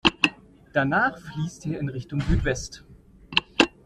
Danach fließt er in Richtung Südwest.